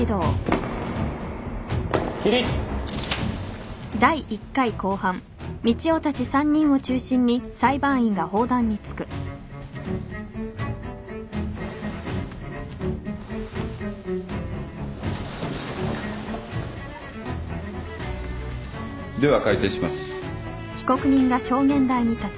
起立。では開廷します。